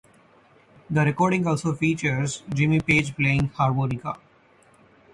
The recording also features Jimmy Page playing harmonica.